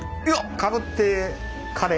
かぶってカレー。